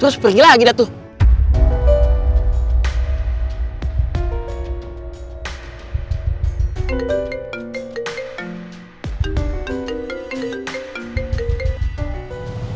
terus pergi lagi dah tuh